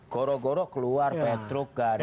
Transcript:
goro goro keluar petruk gareng